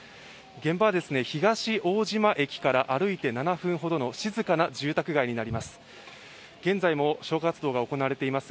現場は東大島駅から歩いて７分ほどの静かな住宅街になります。